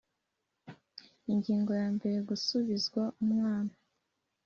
Ingingo ya mbere Gusubizwa umwana